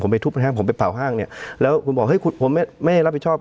ผมไปทุบในห้างผมไปเปล่าห้างเนี่ยแล้วคุณบอกผมไม่ได้รับผิดชอบ